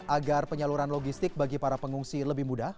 agar penyaluran logistik bagi para pengungsi lebih mudah